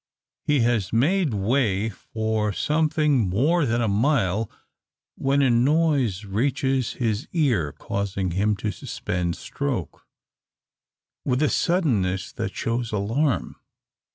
He has made way for something more than a mile, when a noise reaches his ear, causing him to suspend stroke, with a suddenness that shows alarm.